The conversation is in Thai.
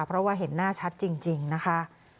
เพราะว่าเห็นหน้าชัดจริงนะคะ